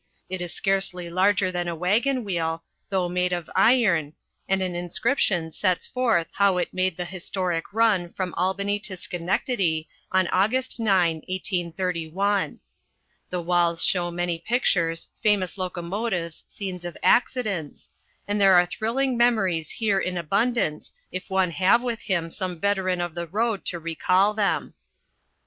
It is scarcely larger than a wagon wheel, though made of iron, and an inscription sets forth how it made the historic run from Albany to Schenectady on August 9, 1831. The walls show many pictures, famous locomotives, scenes of accidents, and there are thrilling memories here in abundance if one have with him some veteran of the road to recall them.